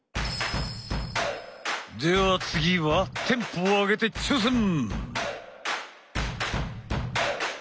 では次はテンポを上げて挑戦！